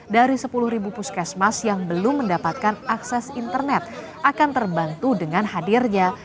dari sepuluh puskesmas yang belum mendapatkan akses internet akan terbantu dengan hadirnya